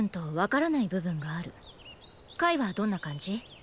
はどんな感じ？